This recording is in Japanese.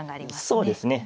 そうですね。